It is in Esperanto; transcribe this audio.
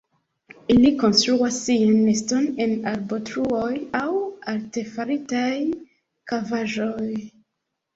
Ili konstruas sian neston en arbotruoj aŭ artefaritaj kavaĵoj.